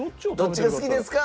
どっちが好きですか？